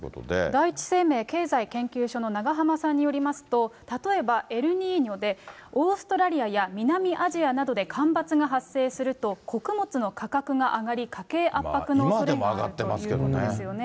第一生命経済研究所の永濱さんによりますと、例えば、エルニーニョで、オーストラリアや南アジアなどで干ばつが発生すると穀物の価格が上がり、家計圧迫のおそれがあるということですよね。